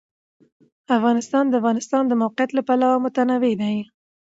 افغانستان د د افغانستان د موقعیت له پلوه متنوع دی.